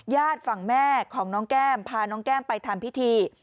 ญาติฝั่งแม่ของน้องแก้มพาน้องแก้มไปทำพิธี